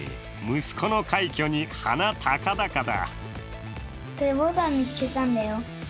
息子の快挙に鼻高々だ。